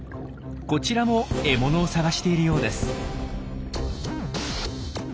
こちらも獲物を探しているようです。